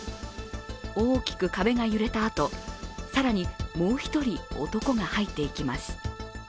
大きく壁が揺れたあと更にもう一人、男が入っていきます